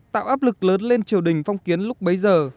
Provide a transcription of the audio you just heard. tạo áp lực lớn lên triều đình phong kiến lúc bấy giờ